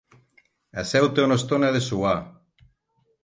Asseu-te una estona a dessuar.